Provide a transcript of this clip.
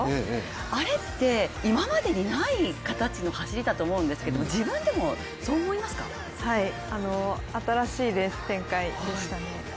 あれって、今までにない形の走りだと思うんですけども新しいレース展開でしたね。